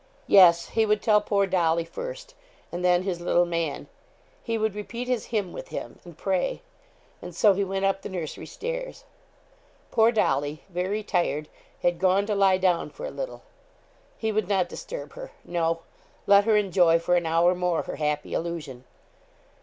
Yes, he would tell poor Dolly first, and then his little man. He would repeat his hymn with him, and pray and so he went up the nursery stairs. Poor Dolly, very tired, had gone to lie down for a little. He would not disturb her no, let her enjoy for an hour more her happy illusion.